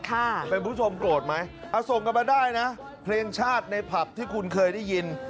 คุณผู้ชมโกรธไหมเอาส่งกันมาได้นะเพลงชาติในผับที่คุณเคยได้ยิน